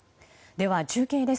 では中継です。